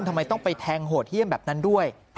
ทำไมต้องไปแทงโหดเยี่ยมแบบนั้นด้วย